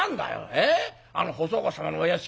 えっあの細川様のお屋敷」。